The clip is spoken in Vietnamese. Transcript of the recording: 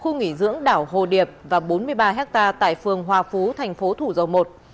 khu nghỉ dưỡng đảo hồ điệp và bốn mươi ba hectare tại phường hòa phú thành phố thủ dầu một